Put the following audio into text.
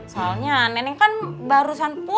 soalnya neneng kan barusan puas